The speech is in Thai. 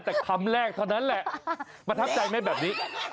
แต่คำแรกเท่านั้นแหละประทับใจไหมแบบนี้